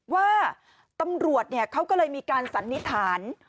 ว่าตำรวจเขาก็เลยมีการสันนิษฐาน